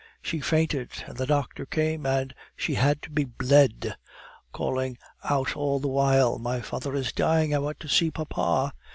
She fainted, and the doctor came, and she had to be bled, calling out all the while, 'My father is dying; I want to see papa!